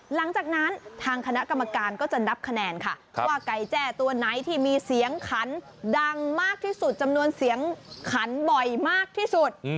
หลังจากนั้นทางคณะกรรมการก็จะนับคะแนนค่ะว่าไก่แจ้ตัวไหนที่มีเสียงขันดังมากที่สุดจำนวนเสียงขันบ่อยมากที่สุด